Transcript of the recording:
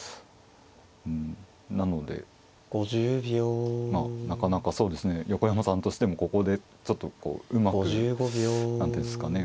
うんなのでまあなかなかそうですね横山さんとしてもここでちょっとこううまく何ていうんですかね